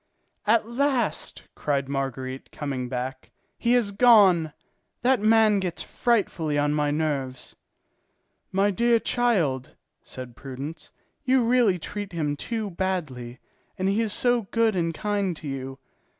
"At last," cried Marguerite, coming back, "he has gone! That man gets frightfully on my nerves!" "My dear child," said Prudence, "you really treat him too badly, and he is so good and kind to you.